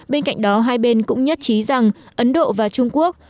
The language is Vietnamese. bên cạnh đó hai bên cũng nhất trí rằng ấn độ và trung quốc